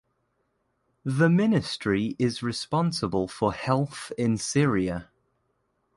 The ministry is responsible for Health in Syria.